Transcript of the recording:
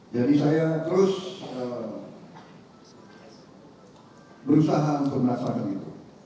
jadi saya terus berusaha untuk merasakan itu